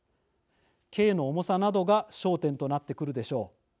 刑の重さなどが焦点となってくるでしょう。